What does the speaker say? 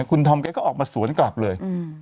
คุณธอมแกก็ออกมาสวนกลับเลย